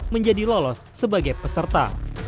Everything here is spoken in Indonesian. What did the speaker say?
menjadi lolos sebagai peserta